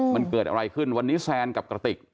มันเกิดอะไรขึ้นวันนี้แซนกับกระติก